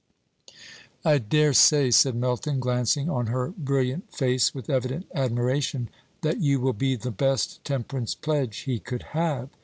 "I dare say," said Melton, glancing on her brilliant face with evident admiration, "that you will be the best temperance pledge he could have.